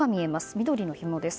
緑のひもです。